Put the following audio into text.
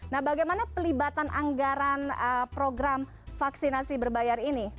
nah bagaimana pelibatan anggaran program vaksinasi berbayar ini